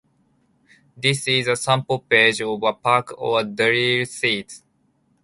This is a sample page of a pack of drill sheets.